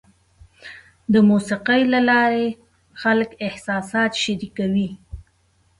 د موسیقۍ له لارې خلک احساسات شریکوي.